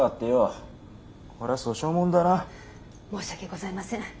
申し訳ございません。